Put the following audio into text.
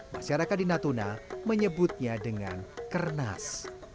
masyarakat di natuna menyebutnya dengan kernas